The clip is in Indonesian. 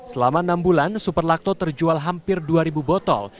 selama enam bulan superlakto terjual hampir dua ribu botol